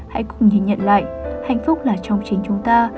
hãy cùng nhìn nhận lại hạnh phúc là trong chính chúng ta